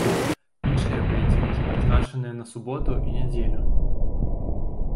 Іншыя паядынкі прызначаны на суботу і нядзелю.